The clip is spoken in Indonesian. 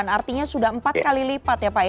artinya sudah empat kali lipat ya pak